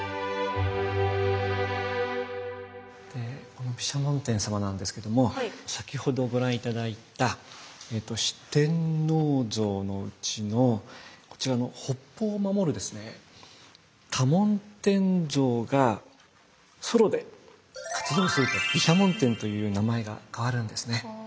この毘沙門天様なんですけども先ほどご覧頂いた四天王像のうちのこちらの北方を守るですね多聞天像がソロで活動すると毘沙門天というように名前が変わるんですね。